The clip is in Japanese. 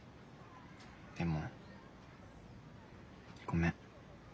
でもごめん。